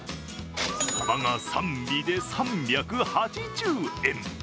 サバが３尾で３８０円。